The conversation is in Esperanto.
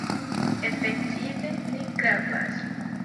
Efektive ne gravas.